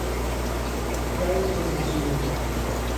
O que hai é o que se ve.